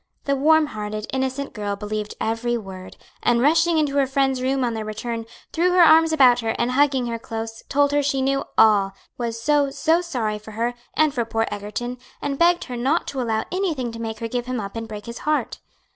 The warm hearted, innocent girl believed every word, and rushing into her friend's room on their return, threw her arms about her, and hugging her close, told her she knew all, was so, so sorry for her, and for poor Egerton; and begged her not to allow anything to make her give him up and break his heart.